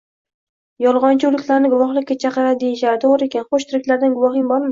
Yolgʻonchi oʻliklarni guvohlikka chaqiradi, deyishardi, toʻgʻri ekan. Xoʻsh, tiriklardan guvohing bormi?